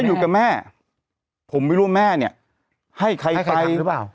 อยู่กับแม่ผมไม่รู้ว่าแม่เนี่ยให้ใครไปหรือเปล่า